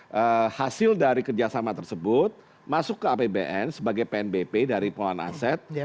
nah hasil dari kerjasama tersebut masuk ke apbn sebagai pnbp dari pengelolaan aset